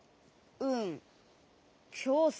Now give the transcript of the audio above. うん。